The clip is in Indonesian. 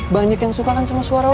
banyak yang suka kan sama suara